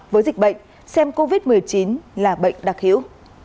với dịch bệnh xem covid một mươi chín là bệnh đặc hữu